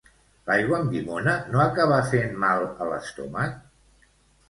L'aigua amb llimona no acaba fent mal a l'estómac?